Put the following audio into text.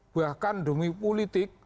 bahkan demi politik